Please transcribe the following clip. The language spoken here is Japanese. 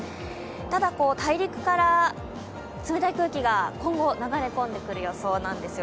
ただ、大陸から冷たい空気が今後、流れ込んでくる予想なんです。